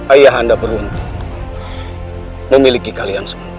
ayah anda beruntung memiliki kalian semua